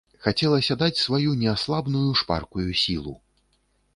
Хацелася даць сваю неаслабную шпаркую сілу.